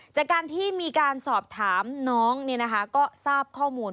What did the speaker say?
จากการที่มีการสอบถามน้องก็ทราบข้อมูล